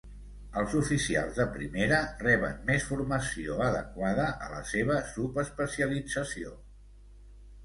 Els oficials de primera reben més formació adequada a la seva subespecialització.